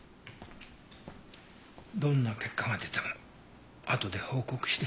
どんな結果が出てもあとで報告して。